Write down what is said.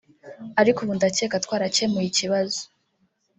Ariko ubu ndakeka twarakemuye ikibazo